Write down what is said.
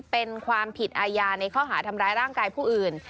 เป็นความผิดอาญาในข้อหาทำร้ายร่างกายผู้อื่น